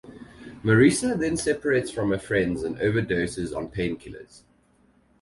Marissa then separates from her friends and overdoses on pain killers.